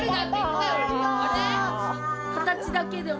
形だけでも。